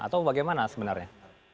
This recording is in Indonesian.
atau bagaimana sebenarnya